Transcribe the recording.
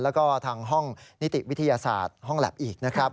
แล้วก็ทางห้องนิติวิทยาศาสตร์ห้องแล็บอีกนะครับ